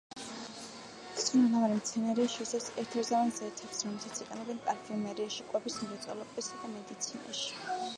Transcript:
სურნელოვანი მცენარეა, შეიცავს ეთეროვან ზეთებს, რომლებსაც იყენებენ პარფიუმერიაში, კვების მრეწველობასა და მედიცინაში.